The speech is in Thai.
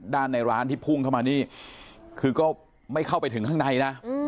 ในร้านที่พุ่งเข้ามานี่คือก็ไม่เข้าไปถึงข้างในนะ